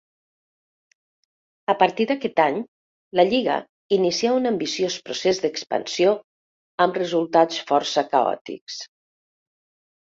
A partir d'aquest any la lliga inicià un ambiciós procés d'expansió amb resultats força caòtics.